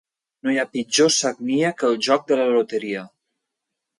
No hi ha pitjor sagnia que el joc de la loteria.